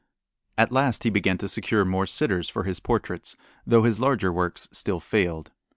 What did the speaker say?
At last he began to secure more sitters for his portraits, though his larger works still failed.